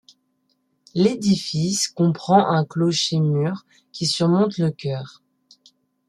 L'édifice comprend un clocher-mur qui surmonte le chœur.